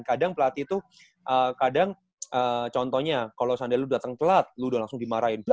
kadang pelati itu kadang contohnya kalau seandainya lu dateng pelat lu udah langsung dimarahin